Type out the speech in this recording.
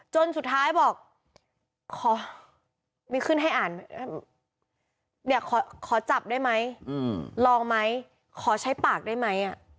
จนสุดท้ายบอกขอมีขึ้นให้อ่านเนี่ยขอจับได้ไหมลองไหมขอใช้ปากได้ไหม